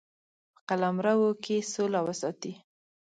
په قلمرو کې سوله وساتي.